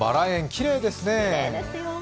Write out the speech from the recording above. きれいですね。